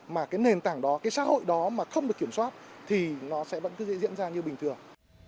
mà cái nền tảng đó cái xã hội đó mà không được kiểm soát thì nó sẽ vẫn cứ diễn ra như bình thường